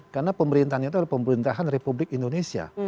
karena pemerintahnya itu adalah pemerintahan republik indonesia